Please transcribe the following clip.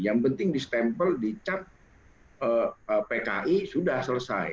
yang penting distempel dicap pki sudah selesai